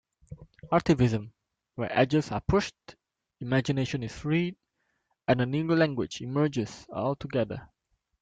Artivism-where edges are pushed, imagination is freed, and a new language emerges altogether.